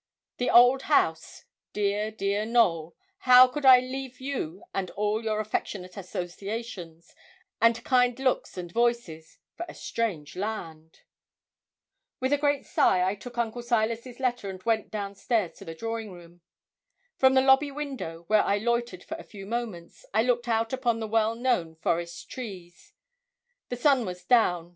The old house dear, dear Knowl, how could I leave you and all your affectionate associations, and kind looks and voices, for a strange land! With a great sigh I took Uncle Silas's letter, and went down stairs to the drawing room. From the lobby window, where I loitered for a few moments, I looked out upon the well known forest trees. The sun was down.